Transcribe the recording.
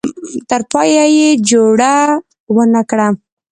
تر پایه یې جوړه ونه کړه.